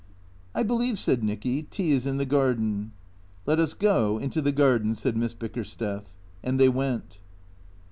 "'" I believe," said Nicky, " tea is in the garden." " Let us go into the garden," said Miss Bickersteth. And they went.